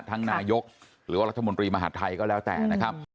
นายกหรือว่ารัฐมนตรีมหาดไทยก็แล้วแต่นะครับ